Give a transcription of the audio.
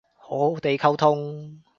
好好哋溝通